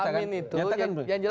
amin itu yang jelas